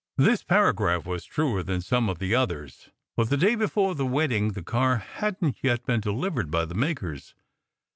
This paragraph was truer than some of the others, but the day before the wedding the car hadn t yet been delivered by the makers.